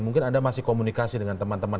mungkin anda masih komunikasi dengan teman teman